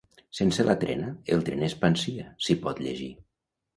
«Sense la trena, el tren es pansia», s'hi pot llegir.